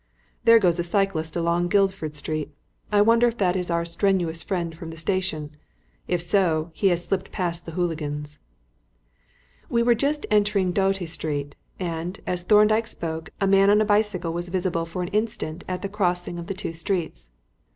There goes a cyclist along Guildford Street. I wonder if that is our strenuous friend from the station. If so, he has slipped past the hooligans." We were just entering Doughty Street, and, as Thorndyke spoke, a man on a bicycle was visible for an instant at the crossing of the two streets.